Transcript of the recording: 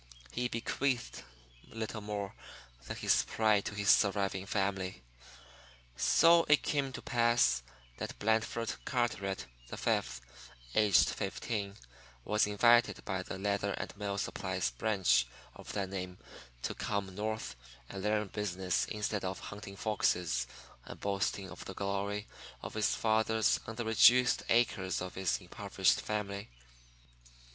He bequeathed little more than his pride to his surviving family. So it came to pass that Blandford Carteret, the Fifth, aged fifteen, was invited by the leather and mill supplies branch of that name to come North and learn business instead of hunting foxes and boasting of the glory of his fathers on the reduced acres of his impoverished family.